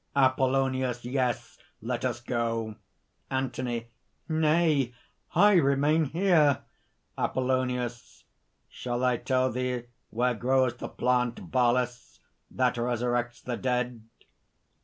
APOLLONIUS. "Yes! let us go!" ANTHONY. "Nay! I remain here!" APOLLONIUS. "Shall I tell thee where grows the plant Balis, that resurrects the dead?"